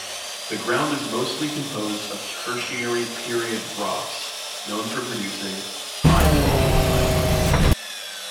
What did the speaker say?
The ground is mostly composed of Tertiary period rocks known for producing high-quality clay.